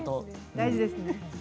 大事ですね。